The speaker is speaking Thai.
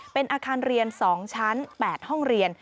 เป็นอาคารเรียน๒ชั้น๘ห้องเรียน